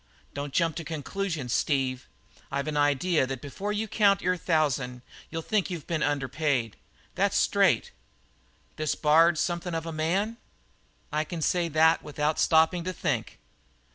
"Don't jump to conclusions, Steve. I've an idea that before you count your thousand you'll think that you've been underpaid. That's straight." "This Bard is something of a man?" "I can say that without stopping to think."